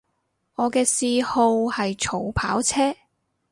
我嘅嗜好係儲跑車